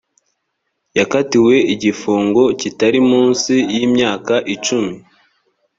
yakatiwe igifungo kitari munsi y imyaka icumi